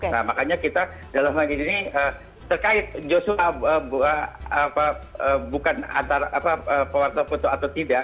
nah makanya kita dalam hal ini terkait joshua bukan antara pewarta foto atau tidak